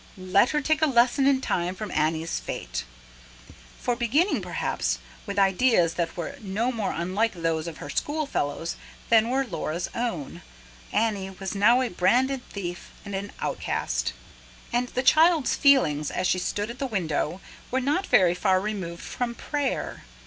Let her take a lesson in time from Annie's fate. For, beginning perhaps with ideas that were no more unlike those of her schoolfellows than were Laura's own, Annie was now a branded thief and an outcast. And the child's feelings, as she stood at the window, were not very far removed from prayer.